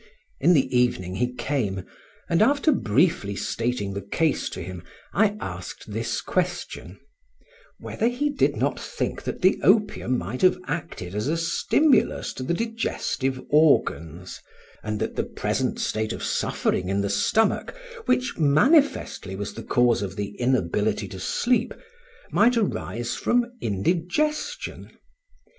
In the evening he came; and after briefly stating the case to him, I asked this question; Whether he did not think that the opium might have acted as a stimulus to the digestive organs, and that the present state of suffering in the stomach, which manifestly was the cause of the inability to sleep, might arise from indigestion?